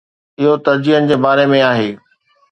اهو ترجيحن جي باري ۾ آهي.